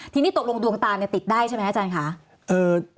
ทีนี้ตกลงดวงตาติดได้ใช่ไหมอาจารย์ค่ะ